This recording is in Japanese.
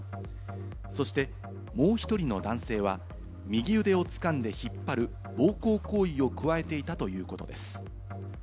そして、もう１人の男性は右腕をつかんで引っ張る暴行行為を加えていたということです。